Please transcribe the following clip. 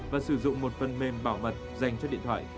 và sử dụng một phần mềm bảo mật dành cho điện thoại